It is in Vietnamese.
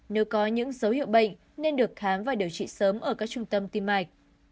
nếu có những dấu hiệu bệnh nên được khám và điều trị sớm ở các trung tâm tim mạch